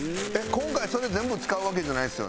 今回それ全部使うわけじゃないですよね？